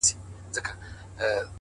پرمختګ د دوامداره حرکت نوم دی’